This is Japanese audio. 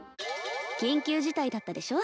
緊急事態だったでしょ？